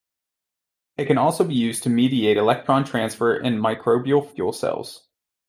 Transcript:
It can also be used to mediate electron transfer in microbial fuel cells.